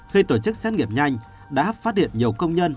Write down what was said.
khi tổ chức xét nghiệm nhanh đã phát hiện nhiều công nhân